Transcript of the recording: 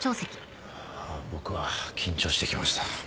あぁ僕は緊張してきました。